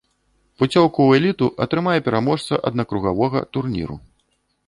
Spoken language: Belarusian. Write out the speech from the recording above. Пуцёўку ў эліту атрымае пераможца аднакругавога турніру.